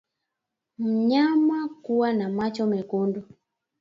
Mnyama kuwa na macho mekundu